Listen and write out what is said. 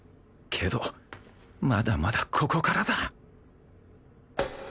けどまだまだここからだ！